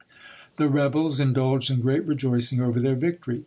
The rebels indulged in great rejoicing over their victory.